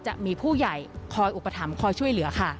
จะมีผู้ใหญ่คอยอุปถัมภ์คอยช่วยเหลือค่ะ